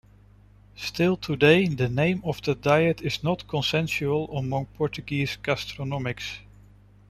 Still today the name of the diet is not consensual among Portuguese gastronomists.